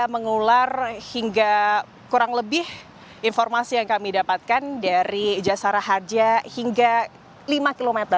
mengular hingga kurang lebih informasi yang kami dapatkan dari jasara harja hingga lima km